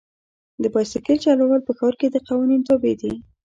د بایسکل چلول په ښار کې د قوانین تابع دي.